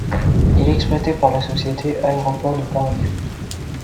Il est exploité par la société Aéroports de Paris.